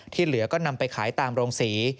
เหลือก็นำไปขายตามโรงศรี